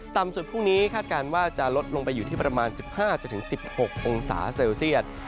ต่ำสุดพรุ่งนี้คาดการณ์ว่าจะลดลงไปอยู่ที่ประมาณ๑๕๑๖องศาเซลเซียต